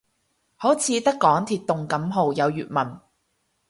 好似得港鐵動感號有粵文